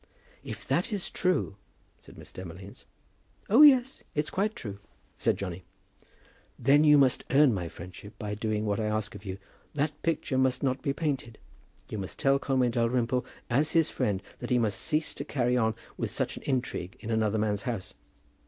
"If that is true ," said Miss Demolines. "Oh, yes; it's quite true," said Johnny. "Then you must earn my friendship by doing what I ask of you. That picture must not be painted. You must tell Conway Dalrymple as his friend that he must cease to carry on such an intrigue in another man's house."